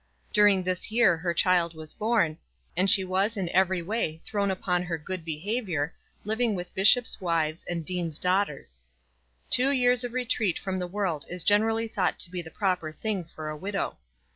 During this year her child was born, and she was in every way thrown upon her good behaviour, living with bishops' wives and deans' daughters. Two years of retreat from the world is generally thought to be the proper thing for a widow.